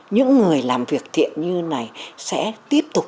những người làm việc thiện như này sẽ tiếp tục